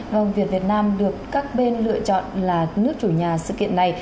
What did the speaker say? hồng việt việt nam được các bên lựa chọn là nước chủ nhà sự kiện này